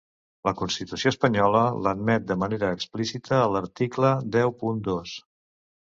La constitució espanyola, l’admet de manera explícita en l’article deu punt dos.